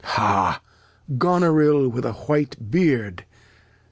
Ha! Goneril with a white Beard!